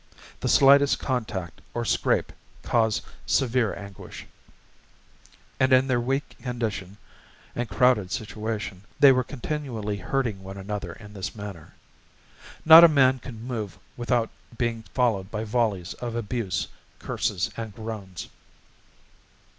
The slightest contact or scrape caused severe anguish, and in their weak condition and crowded situation they were continually hurting one another in this manner. Not a man could move about without being followed by volleys of abuse, curses, and groans.